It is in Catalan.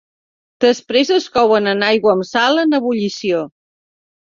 Després es couen en aigua amb sal en ebullició.